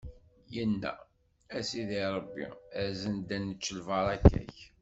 inna: A Sidi Ṛebbi, azen-d ad nečč lbaṛaka-k!